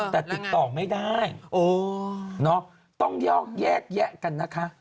แต่ติดต่อไม่ได้ต้องแยกแยะกันนะคะ